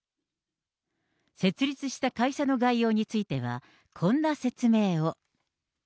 設立した会社の概要については、こんな説明を。